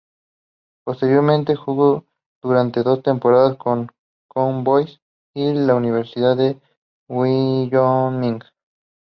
Posteriormente jugó durante dos temporadas con los "Cowboys" de la Universidad de Wyoming.